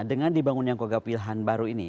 dengan dibangun yang kgp wilhan baru ini